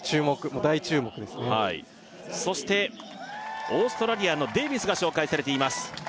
もう大注目ですねはいそしてオーストラリアのデイビスが紹介されています